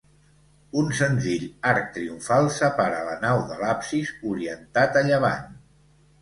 Un senzill arc triomfal separa la nau de l'absis, orientat a llevant.